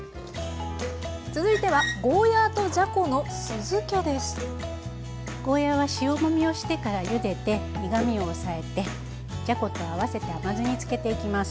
続いてはゴーヤーは塩もみをしてからゆでて苦みを抑えてじゃこと合わせて甘酢に漬けていきます。